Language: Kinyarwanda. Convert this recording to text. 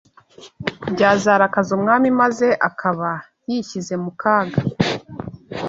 byazarakaza umwami maze akaba yishyize mu kaga